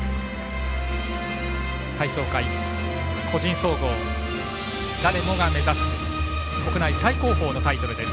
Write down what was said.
体操界、個人総合、誰もが目指す国内最高峰のタイトル